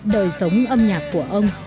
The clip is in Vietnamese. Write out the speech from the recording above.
đời sống âm nhạc của ông